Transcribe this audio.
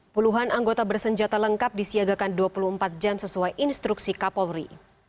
puluhan anggota bersenjata lengkap disiagakan dua puluh empat jam sesuai instruksi kapolri